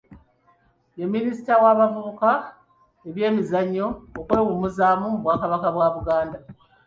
Ye minisita wa bavubuka, ebyemizannyo n'okwewummuzaamu mu Bwakabaka bwa Buganda.